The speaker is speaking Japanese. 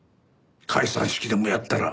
解散式でもやったら。